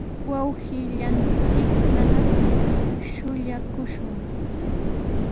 wawqillanchiktana shuyaakushun.